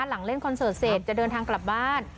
หลังเล่นคอนเสิร์ตเสร็จจะเดินทางกลับบ้าน